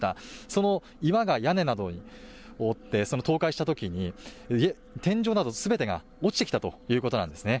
その岩が屋根などを覆って、その倒壊したときに、天井などすべてが落ちてきたということなんですね。